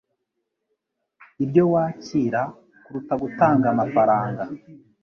ibyo wakira kuruta gutanga amafaranga.